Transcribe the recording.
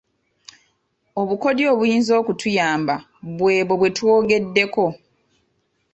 Obukodyo obuyinza okutuyamba bwe bwo bwe twogeddeko.